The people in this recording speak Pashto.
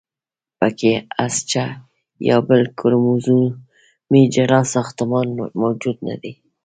پکې هستچه یا بل کروموزومي جلا ساختمان موجود نه دی.